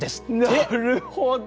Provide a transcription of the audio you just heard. なるほど！